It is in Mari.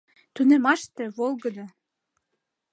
Тунеммаште — волгыдо